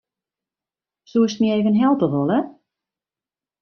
Soest my even helpe wolle?